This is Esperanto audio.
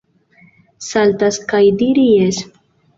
Saltas kaj diri jes.